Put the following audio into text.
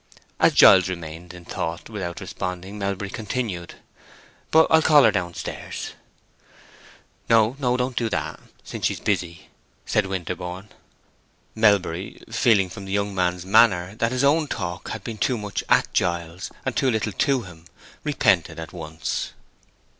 As Giles remained in thought without responding, Melbury continued: "But I'll call her down stairs." "No, no; don't do that, since she's busy," said Winterborne. Melbury, feeling from the young man's manner that his own talk had been too much at Giles and too little to him, repented at once.